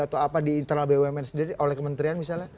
atau apa di internal bumn sendiri oleh kementerian misalnya